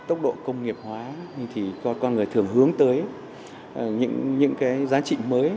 tốc độ công nghiệp hóa con người thường hướng tới những giá trị mới